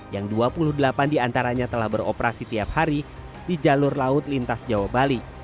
yang dua puluh delapan diantaranya telah beroperasi tiap hari di jalur laut lintas jawa bali